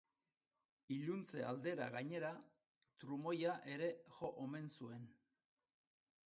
Iluntze aldera gainera, trumoia ere jo omen zuen.